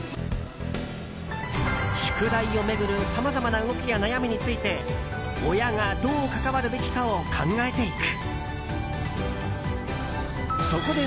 宿題を巡るさまざまな動きや悩みについて親がどう関わるべきかを考えていく。